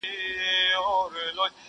فتحه زما ده، فخر زما دی، جشن زما دی!!